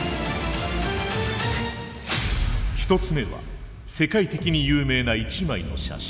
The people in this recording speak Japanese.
１つ目は世界的に有名な一枚の写真。